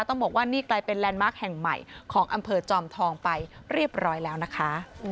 ต้องบอกว่านี่กลายเป็นแลนด์มาร์คแห่งใหม่ของอำเภอจอมทองไปเรียบร้อยแล้วนะคะ